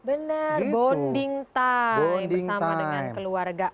benar bonding time bersama dengan keluarga